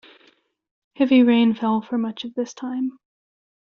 Heavy rain fell for much of this time.